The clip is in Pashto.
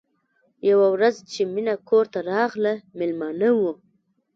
یوه ورځ چې مینه کور ته راغله مېلمانه وو